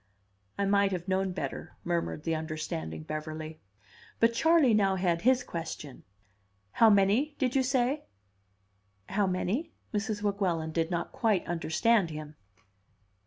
"I might have known better," murmured the understanding Beverly. But Charley now had his question. "How many, did you say?" "How many?" Mrs. Weguelin did not quite understand him.